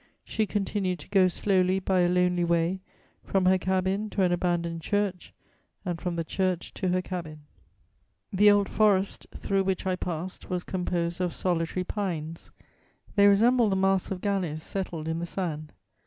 She continued to go slowly, by a lonely way, from her cabin to an abandoned church and from the church to her cabin. "The old forest through which I passed was composed of solitary pines: they resembled the masts of galleys settled in the sand.